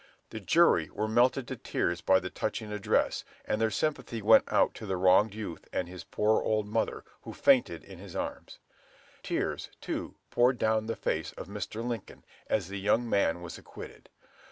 The jury were melted to tears by the touching address, and their sympathy went out to the wronged youth and his poor old mother, who fainted in his arms. Tears, too, poured down the face of Mr. Lincoln, as the young man was acquitted.